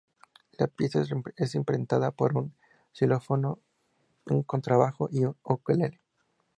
La pieza es interpretada por un xilófono, un contrabajo y un ukelele.